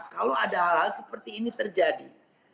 kalau ada hal hal seperti ini terjadi